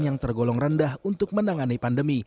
yang tergolong rendah untuk menangani pandemi